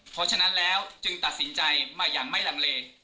เพราะฉะนั้นแล้วจึงตัดสินใจมาอย่างไม่ลังเล